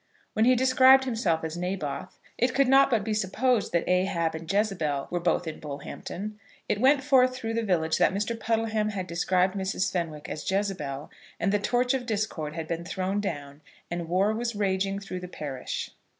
When he described himself as Naboth, it could not but be supposed that Ahab and Jezebel were both in Bullhampton. It went forth through the village that Mr. Puddleham had described Mrs. Fenwick as Jezebel, and the torch of discord had been thrown down, and war was raging through the parish.